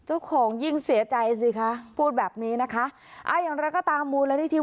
เจ้าของยิ่งเสียใจสิคะพูดแบบนี้นะคะอ่าอย่างนั้นก็ตามวูรณีที่